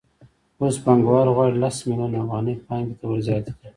اوس پانګوال غواړي لس میلیونه افغانۍ پانګې ته ورزیاتې کړي